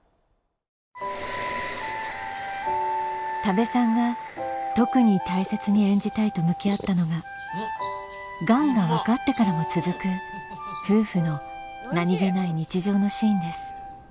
多部さんが特に大切に演じたいと向き合ったのががんが分かってからも続く夫婦の何気ない日常のシーンです。